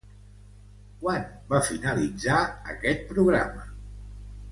Quan va finalitzar aquest programa?